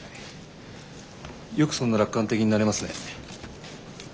よくそんな楽観的になれますね。